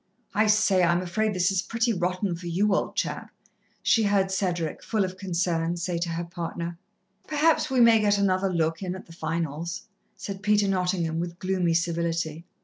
"I say, I'm afraid this is pretty rotten for you, old chap," she heard Cedric, full of concern, say to her partner. "Perhaps we may get another look in at the finals," said Peter Nottingham, with gloomy civility.